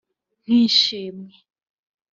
nk’ishimwe